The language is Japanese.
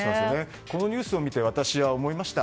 このニュースを見て私は思いました。